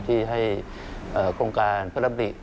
ที่ให้โครงการพระดำริ